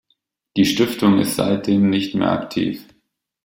Die Stiftung ist seitdem nicht mehr aktiv.